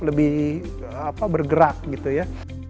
lebih bergerak gitu ya